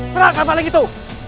serahkan maling itu